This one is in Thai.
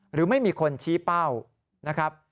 หรือไม่มีคนชี้เป้านะครับ